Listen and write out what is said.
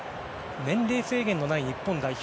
年齢制限のない日本代表。